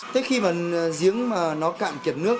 thế khi mà giếng mà nó cạn kiệt nước